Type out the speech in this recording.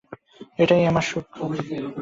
এটাই আমার সুখ।